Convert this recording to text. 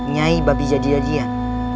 nyai babi jadi dadian